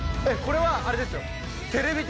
えっこれはあれですよ